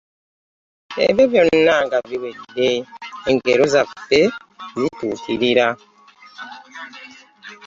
Ebyo byonna nga biwedde, engero zaffe zituukirira.